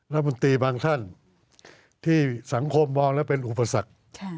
รัฐมนตรีบางท่านที่สังคมมองแล้วเป็นอุปสรรค